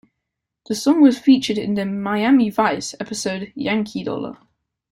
The song was featured in the "Miami Vice" episode "Yankee Dollar".